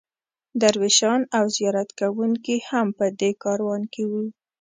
درویشان او زیارت کوونکي هم په دې کاروان کې وو.